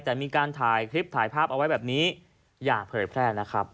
แต่มีการถ่ายคลิปถ่ายภาพเอาไว้แบบนี้อย่าเผยแพร่นะครับ